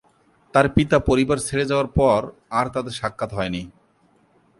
তার পিতা পরিবার ছেড়ে যাওয়ার পর আর তাদের সাক্ষাৎ হয়নি।